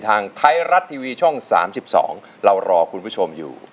ทางไทยรัฐทีวีช่อง๓๒เรารอคุณผู้ชมอยู่